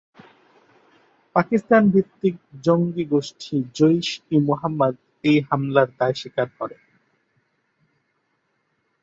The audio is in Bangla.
পাকিস্তান-ভিত্তিক জঙ্গি গোষ্ঠী জইশ-ই-মুহাম্মদ এই হামলার দায় স্বীকার করে।